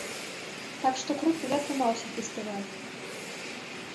Так што круты атрымаўся фестываль!